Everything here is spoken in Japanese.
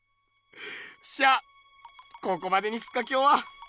っしゃここまでにすっかきょうは。